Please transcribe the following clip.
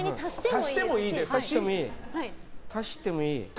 足してもいい。